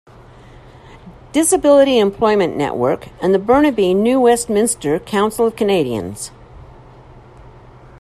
Disability Employment Network and the Burnaby-New Westminster Council of Canadians.